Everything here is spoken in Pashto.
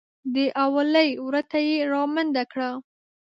د حویلۍ وره ته یې رامنډه کړه .